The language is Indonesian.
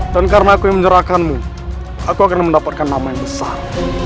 dan karena aku menyerahkanmu aku akan mendapatkan nama yang besar